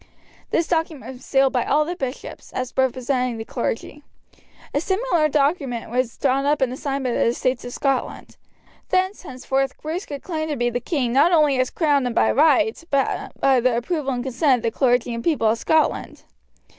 This document was sealed by all the bishops, as representing the clergy. A similar document was drawn up and signed by the estates of Scotland. Therefore, henceforth Bruce could claim to be the king not only as crowned and by right, but by the approval and consent of the clergy and people of Scotland.